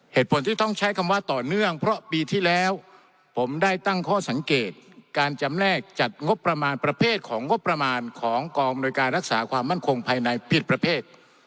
เหตุผลที่ต้องใช้คำว่าต่อเนื่องเพราะปีที่แล้วผมได้ตั้งข้อสังเกตการจำแนกจัดงบประมาณประเภทของงบประมาณของกองอำนวยการรักษาความมั่นคงภายในผิดประเภท